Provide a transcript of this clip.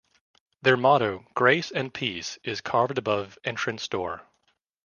Their motto "Grace and Peace" is carved above entrance door.